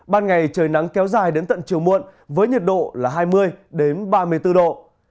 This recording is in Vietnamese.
ban ngày trời nắng kéo dài đến tận chiều muộn với nhiệt độ là hai mươi ba mươi bốn độ